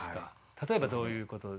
例えばどういうこと？